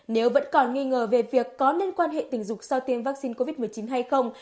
nếu vẫn còn nghi ngờ về việc có nên quan hệ tình dục sau tiêm vaccine covid một mươi chín hay không